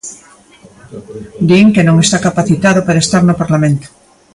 Din que non está capacitado para estar no Parlamento.